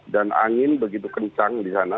dan angin begitu kencang di sana